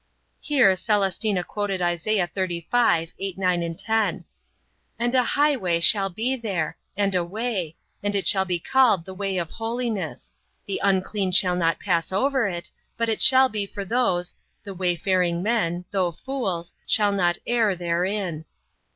Here Celestina quoted Isa. 35:8,9,10: "And a highway shall be there, and a Way; and it shall be called The Way of Holiness; the unclean shall not pass over it, but it shall be for those: the wayfaring men, though fools, shall not err therein.